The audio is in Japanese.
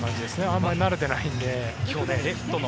あまり慣れてないので。